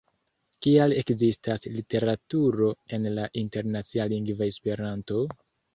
Kial ekzistas literaturo en la internacia lingvo Esperanto?